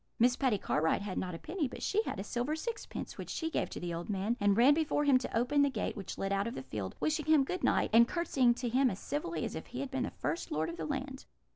Miss Patty Cartwright had not a penny, but she had a silver sixpence, which she gave to the old man, and ran before him to open the gate (which led out of the field), wishing him good night, and curtseying to him as civilly as if he had been the first lord of the land.